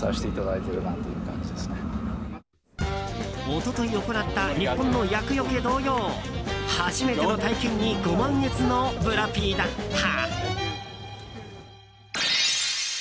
一昨日行った日本の厄よけ同様初めての体験にご満悦のブラピだった。